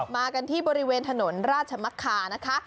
มากันที่บริเวณถนนราชมักคานะคะ